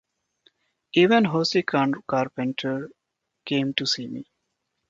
Even Josie Carpenter came to see me.